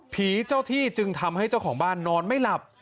ผีเจ้าที่จึงทำให้เจ้าของบ้านนอนไม่หลับ